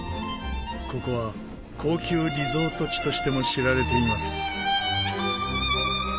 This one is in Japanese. ここは高級リゾート地としても知られています。